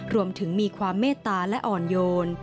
รวมถึงมีความเมตตาและอ่อนโยน